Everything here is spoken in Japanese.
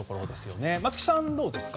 松木さんはどうですか？